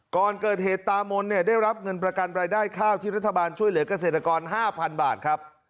ก่อนเกิดเหตุตามนเนี่ยได้รับเงินประกันรายได้ข้าวที่รัฐบาลช่วยเหลือกเกษตรกร๕๐๐บาทครับ